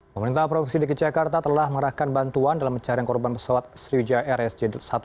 pemerintah provinsi dki jakarta telah mengerahkan bantuan dalam pencarian korban pesawat sriwijaya rsj satu ratus delapan puluh